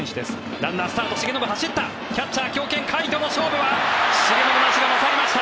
ランナースタート重信、走ったキャッチャー、強肩の甲斐との勝負は重信の足が勝りました。